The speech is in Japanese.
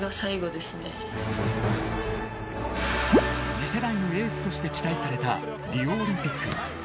［次世代のエースとして期待されたリオオリンピック］